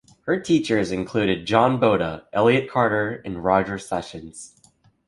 Her teachers included John Boda, Elliott Carter, and Roger Sessions.